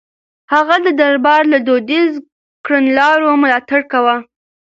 هغه د دربار له دوديزو کړنلارو ملاتړ کاوه.